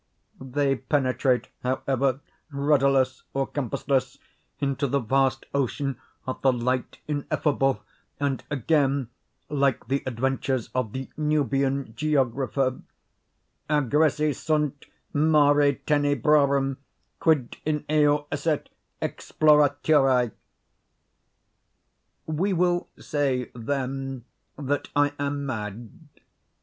They penetrate, however, rudderless or compassless into the vast ocean of the "light ineffable," and again, like the adventures of the Nubian geographer, "agressi sunt mare tenebrarum, quid in eo esset exploraturi." We will say, then, that I am mad.